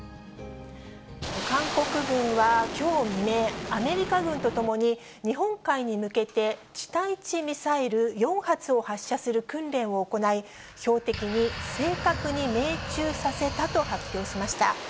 韓国軍はきょう未明、アメリカ軍と共に、日本海に向けて地対地ミサイル４発を発射する訓練を行い、標的に正確に命中させたと発表しました。